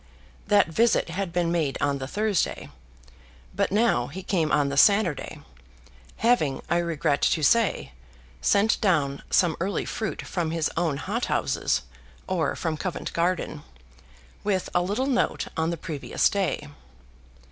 That visit had been made on the Thursday, but now he came on the Saturday, having, I regret to say, sent down some early fruit from his own hot houses, or from Covent Garden, with a little note on the previous day.